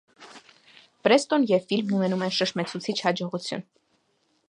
Պրեստոն և ֆիլմն ունենում են շշմեցուցիչ հաջողություն։